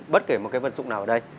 bất kể một cái vật dụng nào ở đây